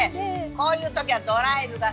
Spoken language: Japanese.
こういう時はドライブが最高。